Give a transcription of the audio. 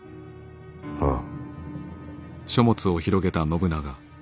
ああ。